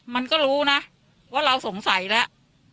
มันก็รู้นะว่าเราสงสัยแล้ว